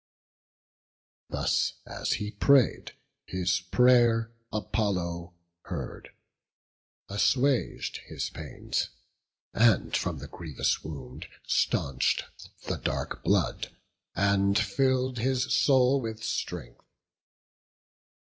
Thus as he pray'd, his pray'r Apollo heard, Assuag'd his pains, and from the grievous wound Stanch' d the dark blood, and fill'd his soul with strength.